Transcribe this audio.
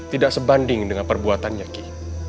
tidak sebanding dengan perbuatannya ki